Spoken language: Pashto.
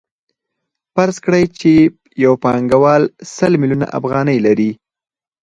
فرض کړئ یو پانګوال سل میلیونه افغانۍ لري